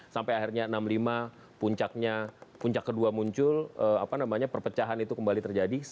sampai akhirnya enam puluh lima puncaknya puncak kedua muncul perpecahan itu kembali terjadi